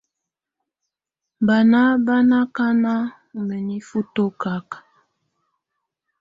Baná ba na kaná u mənifə tɔ́kaka.